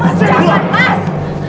mas jangan mas